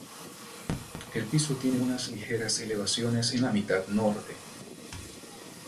El piso tiene unas ligeras elevaciones en la mitad norte.